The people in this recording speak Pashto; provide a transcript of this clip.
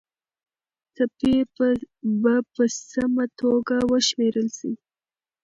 څپې به په سمه توګه وشمېرل سي.